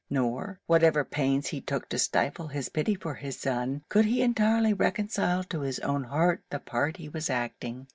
Nor, whatever pains he took to stifle his pity for his son, could he entirely reconcile to his own heart the part he was acting.